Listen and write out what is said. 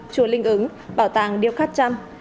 chùa linh ứng bảo tàng điêu khát trăm